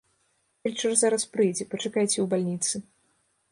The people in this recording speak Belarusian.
Фельчар зараз прыйдзе, пачакайце ў бальніцы.